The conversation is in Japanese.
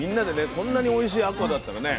こんなにおいしいあこうだったらね